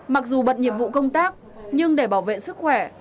mặc dù bận nhiệm vụ công tác nhưng để bảo vệ sức khỏe